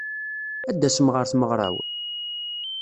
Ad tasem ɣer tmeɣṛa-w?